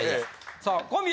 さあ小宮